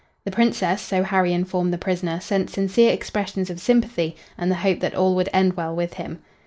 The Princess, so Harry informed the prisoner, sent sincere expressions of sympathy and the hope that all would end well with him.